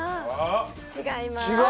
違います